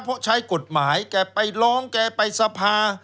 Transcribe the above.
เพราะใช้กฎหมายแกไปร้องแกไปสภา